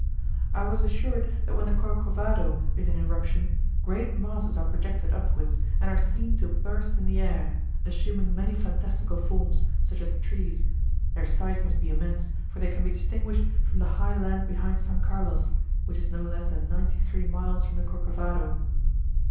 I was assured that when the Corcovado is in eruption, great masses are projected upwards and are seen to burst in the air, assuming many fantastical forms, such as trees: their size must be immense, for they can be distinguished from the high land behind S. Carlos, which is no less than ninety three miles from the Corcovado.